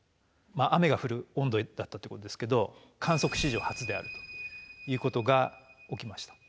雨が降る温度だったということですけど観測史上初であるということが起きました。